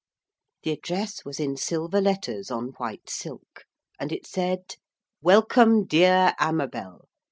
The address was in silver letters, on white silk, and it said: 'Welcome, dear Amabel.